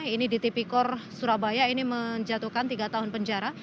ini di tipikor surabaya ini menjatuhkan tiga tahun penjara